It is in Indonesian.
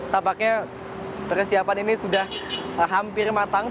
tampaknya persiapan ini sudah hampir matang